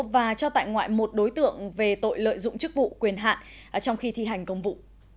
và cho tại ngoại một đối tượng về tội lợi dụng chức vụ quyền hạn trong khi thi hành công vụ